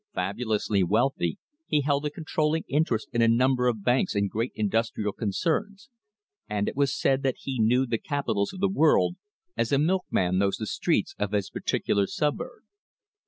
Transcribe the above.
Fabulously wealthy, he held a controlling interest in a number of banks and great industrial concerns, and it was said that he knew the capitals of the world as a milkman knows the streets of his particular suburb.